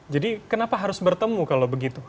jadi kenapa harus bertemu kalau begitu